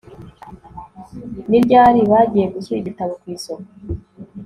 Ni ryari bagiye gushyira igitabo ku isoko